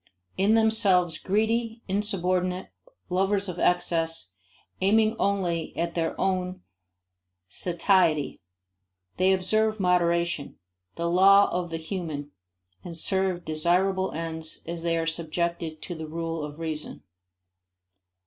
In themselves greedy, insubordinate, lovers of excess, aiming only at their own satiety, they observe moderation the law of the mean and serve desirable ends as they are subjected to the rule of reason.